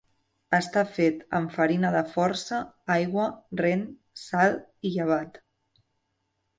Està fet amb farina de força, aigua, rent, sal i llevat.